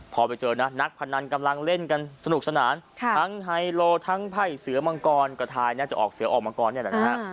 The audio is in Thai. พอไปเจอน่ะนักพนันกำลังเล่นกันสนุกสนานค่ะทั้งไฮโลลูกเตาก็จะออกเสื้อออกมังกรเนี่ยแหละนะฮะ